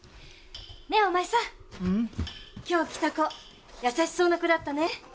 ねえお前さん。今日来た子優しそうな子だったね。